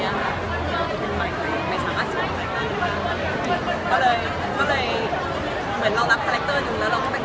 ไม่มีเวลาไปเรียนจริงค่ะแต่ว่าคุณไปในระดับขอบคุณที่เป็นคุณที่เป็นคุณ